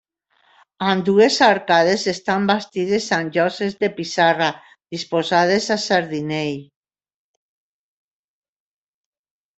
Ambdues arcades estan bastides amb lloses de pissarra disposades a sardinell.